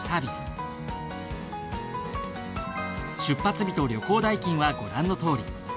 出発日と旅行代金はご覧のとおり。